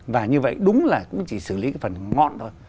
và như vậy đúng là cũng chỉ xử lý phần ngọn thôi